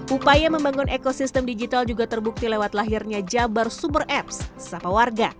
upaya membangun ekosistem digital juga terbukti lewat lahirnya jabar super apps sapa warga